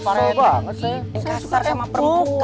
saya mau balas dendam sama setio